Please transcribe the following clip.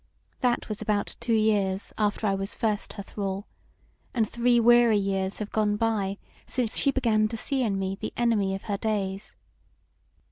That was about two years after I was first her thrall, and three weary years have gone by since she began to see in me the enemy of her days.